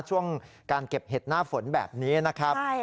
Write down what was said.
ช่วงการเก็บเห็ดหน้าฝนแบบนี้นะครับ